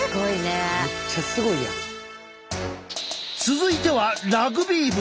続いてはラグビー部。